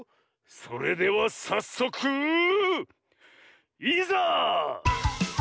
それではさっそくいざ！